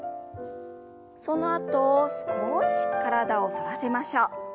そのあと少し体を反らせましょう。